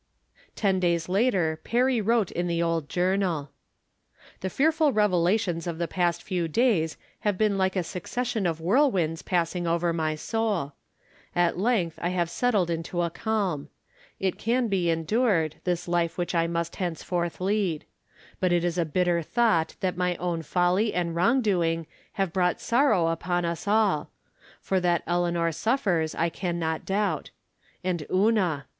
Ten days later Perry wrote in the old jour nal: The fearful revelations of the past few days have been lite a succession of whirlwinds passing over my soul. At length I have settled into a calm. It can be endured, this life which I must henceforth lead. But it is a bitter thought that my own folly and wrong doing have brought sor row upon us all ; for that Eleanor suffers I can not doubt. And Una!